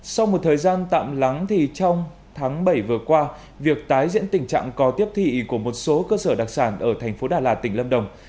sau một thời gian tạm lắng trong tháng bảy vừa qua việc tái diễn tình trạng co tiếp thị của một số cơ sở đặc sản ở thành phố đà lạt tỉnh lâm đồng